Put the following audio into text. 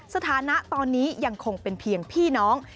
สถานะตอนนี้ยังคงเป็นเพียงพี่น้อง